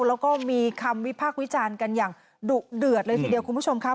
แล้วก็มีคำวิพากษ์วิจารณ์กันอย่างดุเดือดเลยทีเดียวคุณผู้ชมครับ